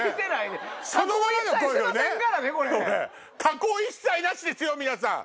加工一切なしですよ皆さん。